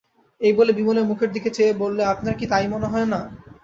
এই বলে বিমলের মুখের দিকে চেয়ে বললে, আপনার কি তাই মনে হয় না?